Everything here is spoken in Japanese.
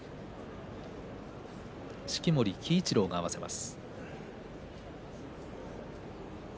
式守鬼一郎が合わせます。